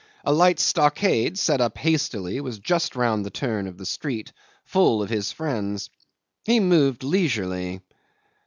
A light stockade, set up hastily, was just round the turn of the street, full of his friends. He moved leisurely.